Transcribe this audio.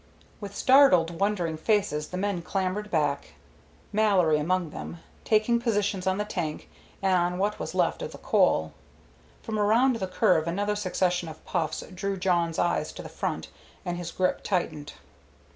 With startled, wondering faces the men clambered back, Mallory among them, taking positions on the tank and on what was left of the coal. From around the curve another succession of puffs drew Jawn's eyes to the front, and his grip tightened.